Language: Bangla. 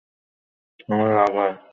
আমার রাগ হয়।